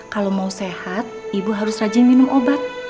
kalau mau sehat ibu harus rajin minum obat